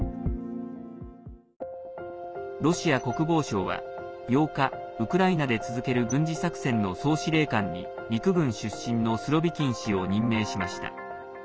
ロシア国防省は８日ウクライナで続ける軍事作戦の総司令官に陸軍出身のスロビキン氏を任命しました。